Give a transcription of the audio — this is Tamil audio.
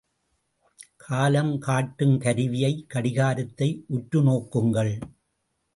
காலம் காட்டும் கருவியை கடிகாரத்தை உற்று நோக்குங்கள்!